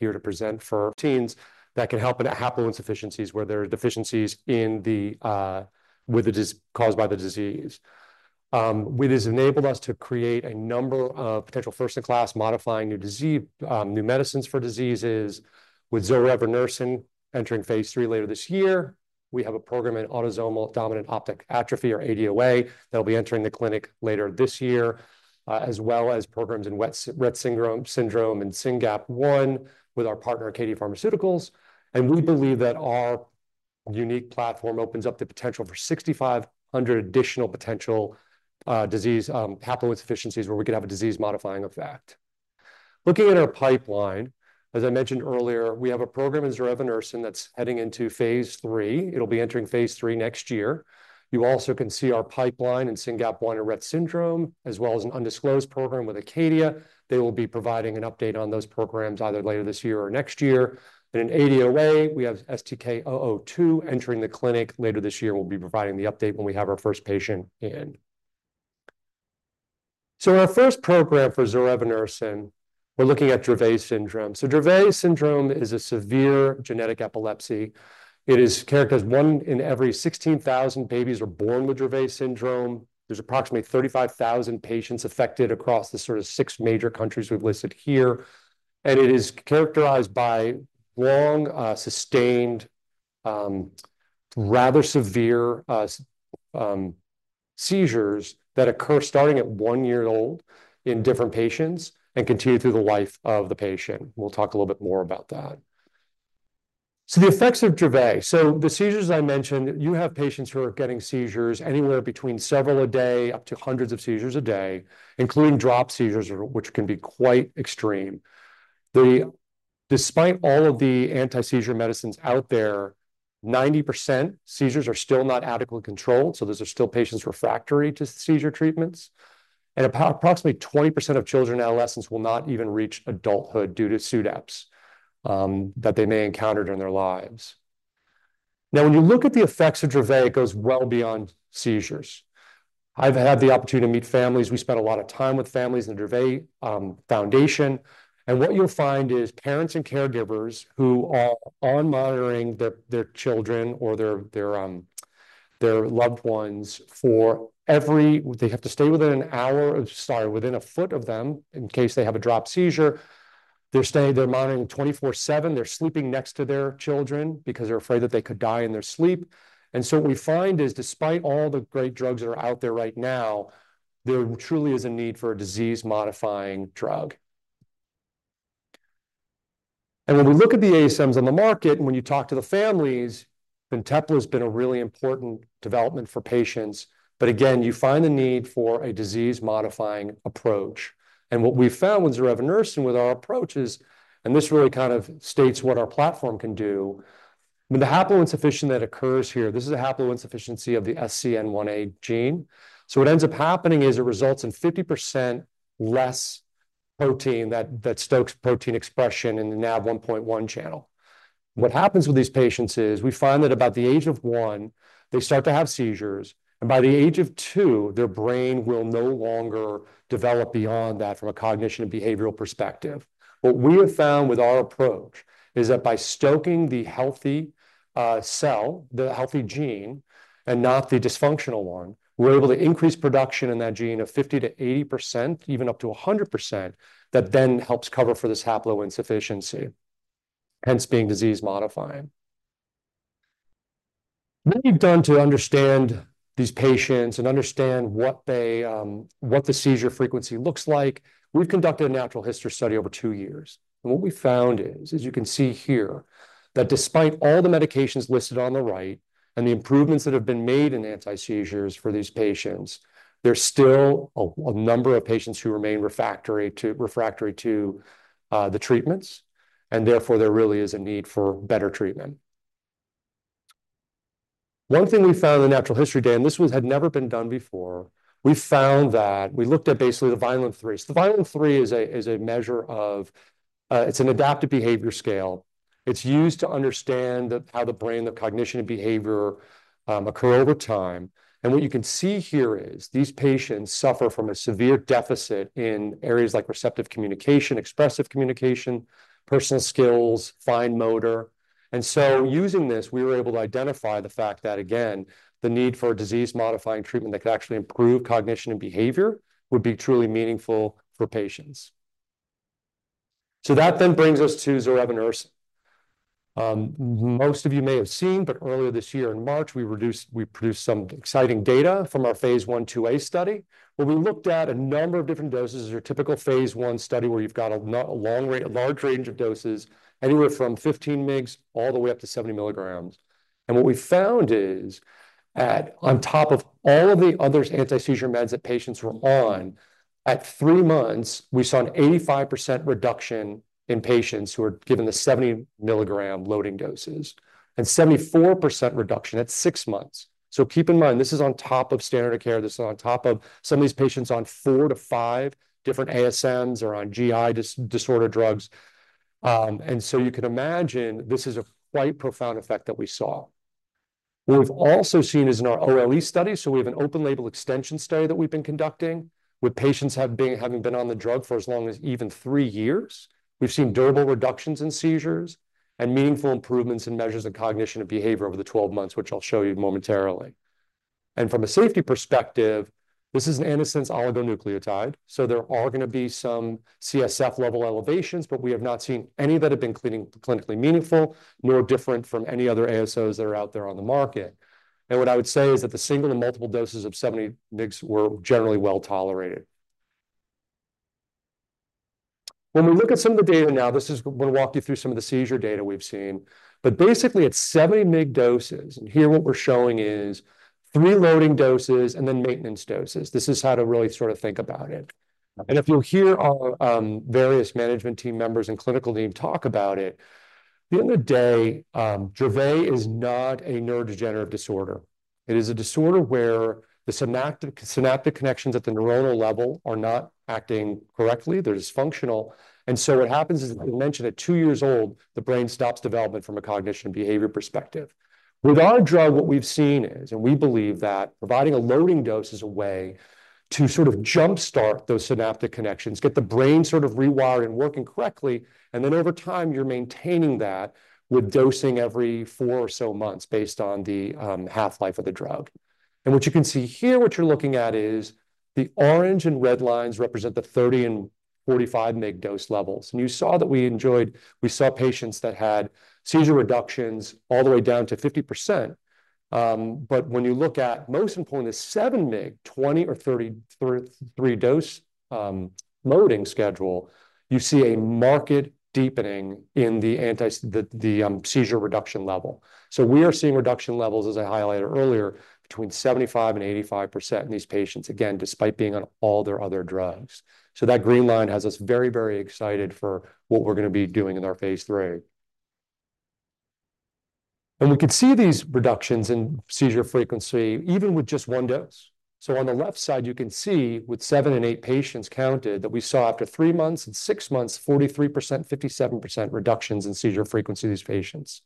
Here to present proteins that can help in haploinsufficiencies, where there are deficiencies in the with the disease caused by the disease. It has enabled us to create a number of potential first-in-class modifying new disease new medicines for diseases. With zorevunersen entering phase III later this year, we have a program in autosomal dominant optic atrophy, or ADOA, that'll be entering the clinic later this year as well as programs in Rett syndrome and SYNGAP1 with our partner, Acadia Pharmaceuticals. And we believe that our unique platform opens up the potential for 6,500 additional potential disease haploinsufficiencies, where we could have a disease-modifying effect. Looking at our pipeline, as I mentioned earlier, we have a program in zorevunersen that's heading into phase III. It'll be entering phase III next year. You also can see our pipeline in SYNGAP1 and Rett syndrome, as well as an undisclosed program with Acadia. They will be providing an update on those programs either later this year or next year, but in ADOA, we have STK-002 entering the clinic later this year. We'll be providing the update when we have our first patient in, so our first program for zorevunersen, we're looking at Dravet syndrome, so Dravet syndrome is a severe genetic epilepsy. It is characterized. One in every 16,000 babies are born with Dravet syndrome. There's approximately 35,000 patients affected across the sort of six major countries we've listed here, and it is characterized by long, sustained, rather severe, seizures that occur starting at one year old in different patients and continue through the life of the patient. We'll talk a little bit more about that. The effects of Dravet, so the seizures I mentioned, you have patients who are getting seizures anywhere between several a day up to hundreds of seizures a day, including drop seizures, which can be quite extreme. Despite all of the anti-seizure medicines out there, 90% seizures are still not adequately controlled, so those are still patients refractory to seizure treatments. Approximately 20% of children and adolescents will not even reach adulthood due to SUDEP that they may encounter during their lives. When you look at the effects of Dravet, it goes well beyond seizures. I've had the opportunity to meet families. We spent a lot of time with families in the Dravet Foundation, and what you'll find is parents and caregivers who are monitoring their children or their loved ones for every... They have to stay within an hour of, sorry, within a foot of them in case they have a drop seizure. They're staying, they're monitoring 24/7. They're sleeping next to their children because they're afraid that they could die in their sleep. And so what we find is, despite all the great drugs that are out there right now, there truly is a need for a disease-modifying drug. And when we look at the ASMs on the market, and when you talk to the families, Fintepla has been a really important development for patients. But again, you find the need for a disease-modifying approach. And what we found with zorevunersen, with our approach is, and this really kind of states what our platform can do, when the haploinsufficiency that occurs here, this is a haploinsufficiency of the SCN1A gene. So what ends up happening is it results in 50% less protein that stokes protein expression in the NaV1.1 channel. What happens with these patients is we find that about the age of one, they start to have seizures, and by the age of two, their brain will no longer develop beyond that from a cognition and behavioral perspective. What we have found with our approach is that by stoking the healthy allele, the healthy gene, and not the dysfunctional one, we're able to increase production in that gene of 50%-80%, even up to 100%. That then helps cover for this haploinsufficiency, hence being disease-modifying. What we've done to understand these patients and understand what they, what the seizure frequency looks like, we've conducted a natural history study over two years. What we found is, as you can see here, that despite all the medications listed on the right and the improvements that have been made in anti-seizures for these patients, there's still a number of patients who remain refractory to the treatments, and therefore, there really is a need for better treatment. One thing we found in the natural history data, and this was had never been done before, we found that we looked at basically the Vineland-3. So the Vineland-3 is a measure of, it's an adaptive behavior scale. It's used to understand how the brain, the cognition and behavior occur over time. What you can see here is these patients suffer from a severe deficit in areas like receptive communication, expressive communication, personal skills, fine motor. And so using this, we were able to identify the fact that, again, the need for a disease-modifying treatment that could actually improve cognition and behavior would be truly meaningful for patients. So that then brings us to zorevunersen. Most of you may have seen, but earlier this year in March, we produced some exciting data from our phase I/IIa study, where we looked at a number of different doses, your typical phase I study, where you've got a large range of doses, anywhere from 15 mg all the way up to 70 mg. And what we found is at, on top of all of the other anti-seizure meds that patients were on, at three months, we saw an 85% reduction in patients who were given the 70 mg loading doses and 74% reduction at six months. Keep in mind, this is on top of standard of care. This is on top of some of these patients on four to five different ASMs or on GI disorder drugs. And so you can imagine this is a quite profound effect that we saw. What we've also seen is in our OLE study, so we have an open-label extension study that we've been conducting, with patients having been on the drug for as long as even three years. We've seen durable reductions in seizures and meaningful improvements in measures of cognition and behavior over the twelve months, which I'll show you momentarily. From a safety perspective, this is an antisense oligonucleotide, so there are gonna be some CSF level elevations, but we have not seen any that have been clinically meaningful, nor different from any other ASOs that are out there on the market. What I would say is that the single and multiple doses of 70 mg were generally well tolerated. When we look at some of the data now, this is, we're gonna walk you through some of the seizure data we've seen. Basically, it's 70 mg doses, and here what we're showing is three loading doses and then maintenance doses. This is how to really sort of think about it. If you'll hear our various management team members and clinical team talk about it, at the end of the day, Dravet is not a neurodegenerative disorder. It is a disorder where the synaptic connections at the neuronal level are not acting correctly, they're dysfunctional. And so what happens is, as we mentioned, at two years old, the brain stops development from a cognition and behavior perspective. With our drug, what we've seen is, and we believe that providing a loading dose is a way to sort of jumpstart those synaptic connections, get the brain sort of rewired and working correctly, and then over time, you're maintaining that with dosing every four or so months, based on the half-life of the drug. And what you can see here, what you're looking at is the orange and red lines represent the 30 mg and 45 mg dose levels. And you saw that we saw patients that had seizure reductions all the way down to 50%. But when you look at most important is 7 mg, two or three dose loading schedule, you see a marked deepening in the anti-seizure reduction level, so we are seeing reduction levels, as I highlighted earlier, between 75% and 85% in these patients, again, despite being on all their other drugs, so that green line has us very, very excited for what we're gonna be doing in our phase III, and we could see these reductions in seizure frequency even with just one dose, so on the left side, you can see with seven and eight patients counted, that we saw after three months and six months, 43%, 57% reductions in seizure frequency in these patients.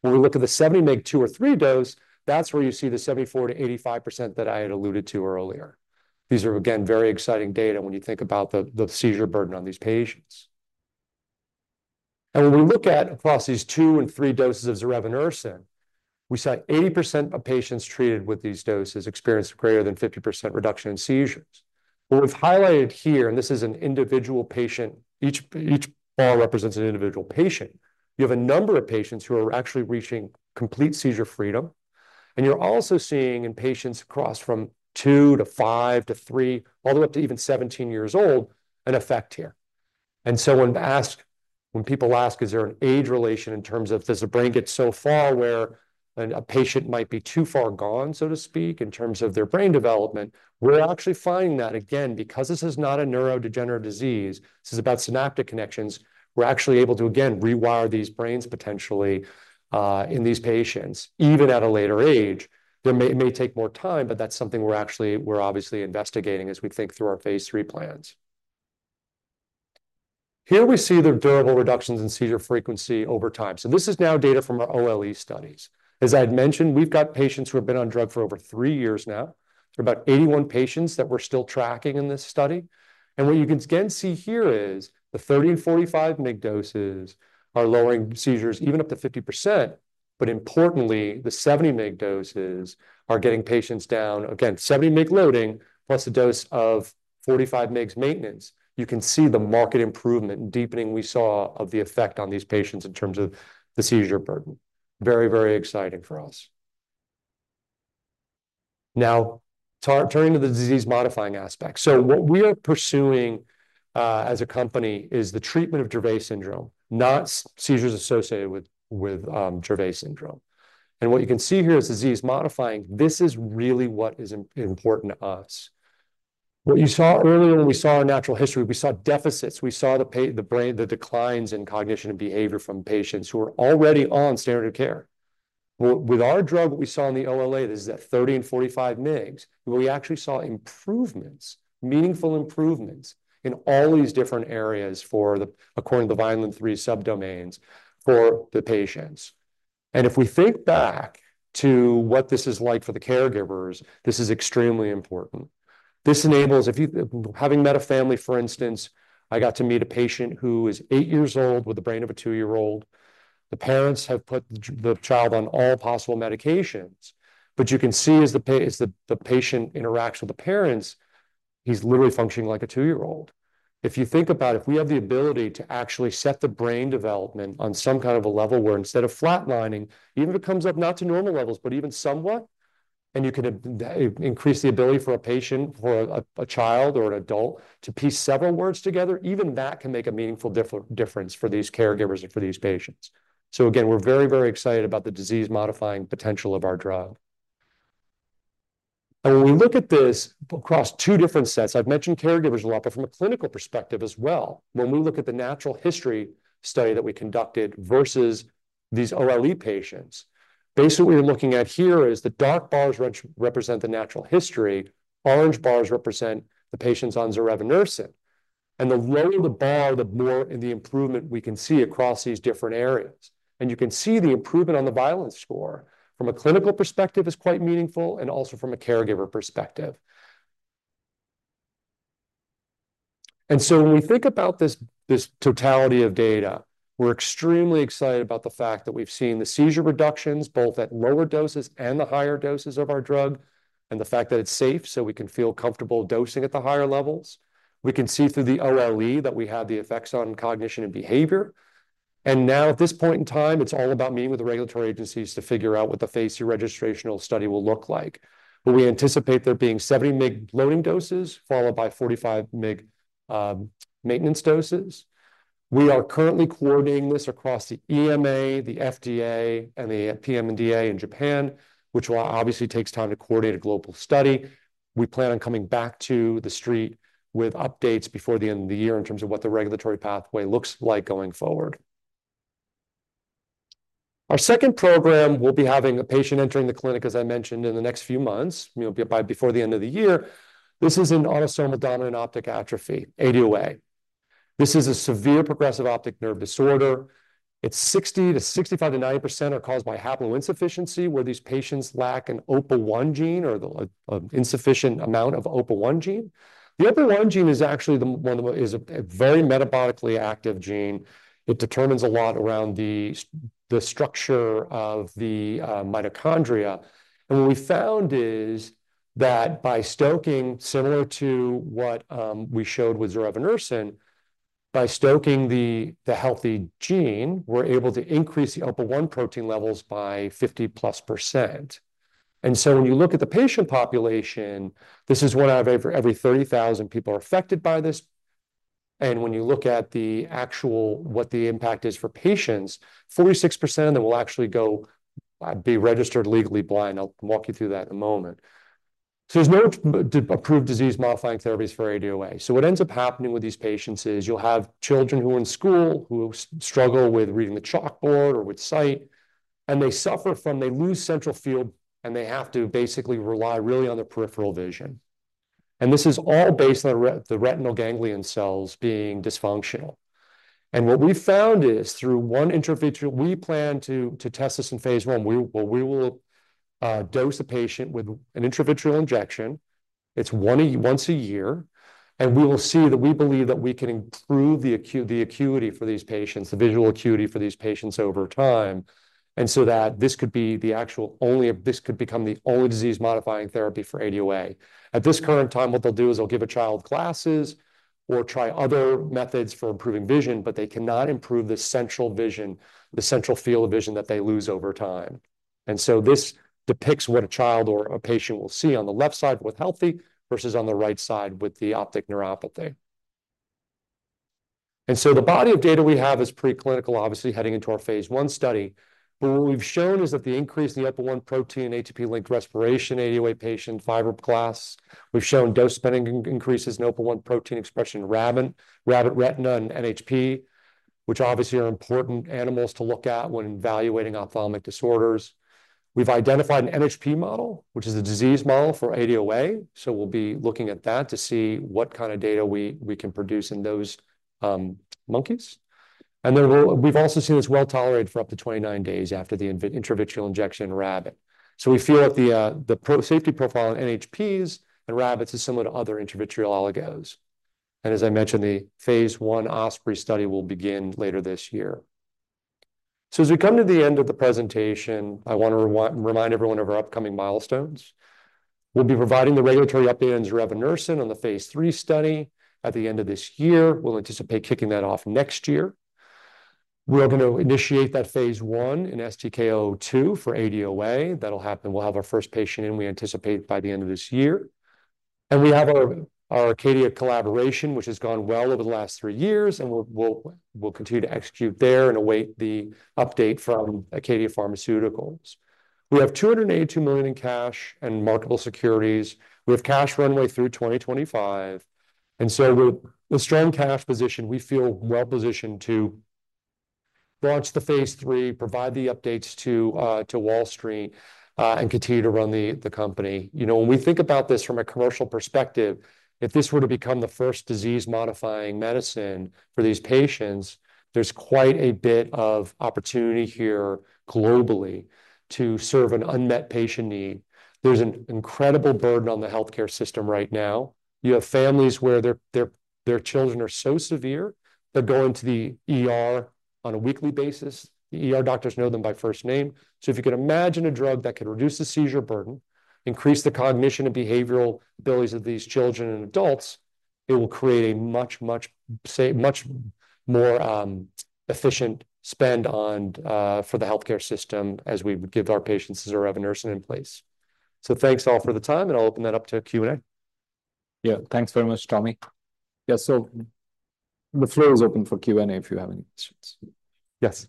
When we look at the 70 mg, two or three dose, that's where you see the 74%-85% that I had alluded to earlier. These are, again, very exciting data when you think about the seizure burden on these patients. And when we look at across these two and three doses of zorevunersen, we saw 80% of patients treated with these doses experienced a greater than 50% reduction in seizures. What we've highlighted here, and this is an individual patient. Each bar represents an individual patient. You have a number of patients who are actually reaching complete seizure freedom, and you're also seeing in patients across from two to five to three, all the way up to even 17 years old, an effect here. When people ask, "Is there an age relation in terms of, does the brain get so far where a patient might be too far gone, so to speak, in terms of their brain development?" We're actually finding that, again, because this is not a neurodegenerative disease, this is about synaptic connections, we're actually able to, again, rewire these brains potentially, in these patients, even at a later age. It may take more time, but that's something we're actually, we're obviously investigating as we think through our phase III plans. Here we see the durable reductions in seizure frequency over time. So this is now data from our OLE studies. As I'd mentioned, we've got patients who have been on drug for over three years now. There are about 81 patients that we're still tracking in this study. What you can again see here is the 30 mg and 45 mg doses are lowering seizures even up to 50%. But importantly, the 70 mg doses are getting patients down. Again, 70 mg loading, plus a dose of 45 mg maintenance. You can see the marked improvement and deepening we saw of the effect on these patients in terms of the seizure burden. Very, very exciting for us. Now, turning to the disease-modifying aspect. So what we are pursuing as a company is the treatment of Dravet syndrome, not seizures associated with Dravet syndrome. And what you can see here is disease-modifying. This is really what is important to us. What you saw earlier when we saw in natural history, we saw deficits, we saw the declines in cognition and behavior from patients who are already on standard of care. With our drug, what we saw in the OLE, this is at 30 mg and 45 mg, we actually saw improvements, meaningful improvements in all these different areas according to the Vineland-3 subdomains for the patients. If we think back to what this is like for the caregivers, this is extremely important. Having met a family, for instance, I got to meet a patient who is eight years old with the brain of a two-year-old. The parents have put the child on all possible medications, but you can see as the patient interacts with the parents, he is literally functioning like a two-year-old. If you think about it, if we have the ability to actually set the brain development on some kind of a level where instead of flatlining, even if it comes up not to normal levels, but even somewhat, and you can increase the ability for a patient, for a child or an adult, to piece several words together, even that can make a meaningful difference for these caregivers and for these patients. So again, we're very, very excited about the disease-modifying potential of our drug. And when we look at this across two different sets, I've mentioned caregivers a lot, but from a clinical perspective as well, when we look at the natural history study that we conducted versus these OLE patients, basically, what we're looking at here is the dark bars represent the natural history, orange bars represent the patients on zorevunersen.... And the lower the bar, the more the improvement we can see across these different areas. And you can see the improvement on the Vineland score from a clinical perspective is quite meaningful, and also from a caregiver perspective. And so when we think about this, this totality of data, we're extremely excited about the fact that we've seen the seizure reductions, both at lower doses and the higher doses of our drug, and the fact that it's safe, so we can feel comfortable dosing at the higher levels. We can see through the OLE that we have the effects on cognition and behavior. And now, at this point in time, it's all about meeting with the regulatory agencies to figure out what the phase II registrational study will look like. But we anticipate there being 70 mg loading doses, followed by 45 mg maintenance doses. We are currently coordinating this across the EMA, the FDA, and the PMDA in Japan, which will obviously takes time to coordinate a global study. We plan on coming back to the street with updates before the end of the year in terms of what the regulatory pathway looks like going forward. Our second program will be having a patient entering the clinic, as I mentioned, in the next few months, you know, by, before the end of the year. This is an autosomal dominant optic atrophy, ADOA. This is a severe progressive optic nerve disorder. It's 60% to 65% to 90% are caused by haploinsufficiency, where these patients lack an OPA1 gene or the, insufficient amount of OPA1 gene. The OPA1 gene is actually the one of the- is a, a very metabolically active gene. It determines a lot around the structure of the mitochondria. And what we found is that by stoking, similar to what we showed with zorevunersen, by stoking the healthy gene, we're able to increase the OPA1 protein levels by 50%+. And so when you look at the patient population, this is one out of every 30,000 people are affected by this. And when you look at the actual what the impact is for patients, 46% of them will actually go be registered legally blind. I'll walk you through that in a moment. So there's no approved disease-modifying therapies for ADOA. So what ends up happening with these patients is you'll have children who are in school, who struggle with reading the chalkboard or with sight, and they suffer from... They lose central field, and they have to basically rely really on their peripheral vision. This is all based on the retinal ganglion cells being dysfunctional. What we found is, through one intravitreal, we plan to test this in phase I. We will dose a patient with an intravitreal injection. It's once a year, and we will see that we believe that we can improve the acuity for these patients, the visual acuity for these patients over time, and so that this could be the actual only... This could become the only disease-modifying therapy for ADOA. At this current time, what they'll do is they'll give a child glasses or try other methods for improving vision, but they cannot improve the central vision, the central field of vision that they lose over time. This depicts what a child or a patient will see on the left side with healthy, versus on the right side with the optic neuropathy. The body of data we have is preclinical, obviously, heading into our phase I study. What we've shown is that the increase in the OPA1 protein, ATP-linked respiration, ADOA patient fibroblast. We've shown dose-dependent increases in OPA1 protein expression in rabbit retina and NHP, which obviously are important animals to look at when evaluating ophthalmic disorders. We've identified an NHP model, which is a disease model for ADOA, so we'll be looking at that to see what kind of data we can produce in those monkeys. We've also seen it's well-tolerated for up to 29 days after the intravitreal injection in rabbit. We feel that the safety profile in NHPs and rabbits is similar to other intravitreal oligos. As I mentioned, the phase I Osprey study will begin later this year. As we come to the end of the presentation, I want to remind everyone of our upcoming milestones. We'll be providing the regulatory update on zorevunersen on the phase III study at the end of this year. We'll anticipate kicking that off next year. We are going to initiate that phase I in STK-002 for ADOA. We'll have our first patient in, we anticipate, by the end of this year. We have our Acadia collaboration, which has gone well over the last three years, and we'll continue to execute there and await the update from Acadia Pharmaceuticals. We have $282 million in cash and marketable securities. We have cash runway through 2025, and so we're a strong cash position. We feel well positioned to launch the phase III, provide the updates to Wall Street, and continue to run the company. You know, when we think about this from a commercial perspective, if this were to become the first disease-modifying medicine for these patients, there's quite a bit of opportunity here globally to serve an unmet patient need. There's an incredible burden on the healthcare system right now. You have families where their children are so severe, they're going to the ER on a weekly basis. The ER doctors know them by first name. So if you can imagine a drug that could reduce the seizure burden, increase the cognition and behavioral abilities of these children and adults, it will create a much more efficient spend on for the healthcare system as we give our patients zorevunersen in place. So thanks, all, for the time, and I'll open that up to Q&A. Yeah. Thanks very much, Tommy. Yeah, so the floor is open for Q&A if you have any questions. Yes.